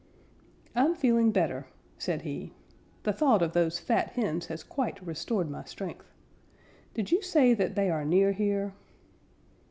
"I'm feeling better," said he. "The thought of those fat hens has quite restored my strength. Did you say that they are near here?"